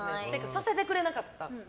させてくれなかった。